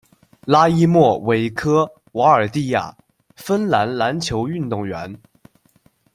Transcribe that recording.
拉伊莫·韦科·瓦尔蒂亚，芬兰篮球运动员。